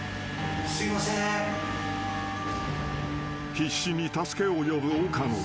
［必死に助けを呼ぶ岡野］